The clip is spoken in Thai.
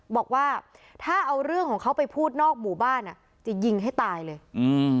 บอกว่าถ้าเอาเรื่องของเขาไปพูดนอกหมู่บ้านอ่ะจะยิงให้ตายเลยอืม